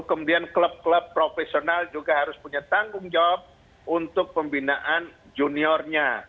kemudian klub klub profesional juga harus punya tanggung jawab untuk pembinaan juniornya